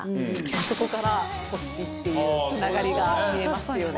あそこからこっちっていうつながりが見えますよね。